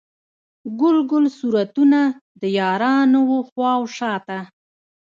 ګل ګل صورتونه، د یارانو و خواو شاته